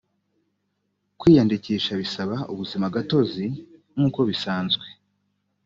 kwiyandikisha bisaba ubuzima gatozi nk uko bisanzwe